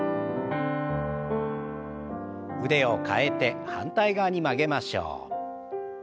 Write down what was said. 腕を替えて反対側に曲げましょう。